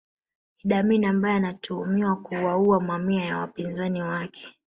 Idi Amin ambaye anatuhumiwa kuwaua mamia ya wapinzani wake